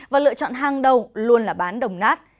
và lựa chọn hàng đầu luôn là bán đồng nát